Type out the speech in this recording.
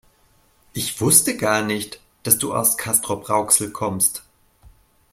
Ich wusste gar nicht, dass du aus Castrop-Rauxel kommst